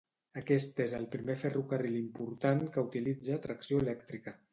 Aquest és el primer ferrocarril important que utilitza tracció elèctrica.